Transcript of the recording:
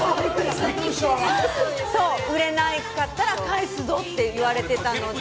売れなかったら帰すぞって言われていて。